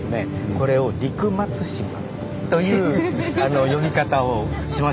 これを「陸松島」という呼び方をしましょう。